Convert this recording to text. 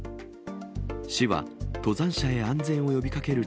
市は登山者へ安全を呼びかける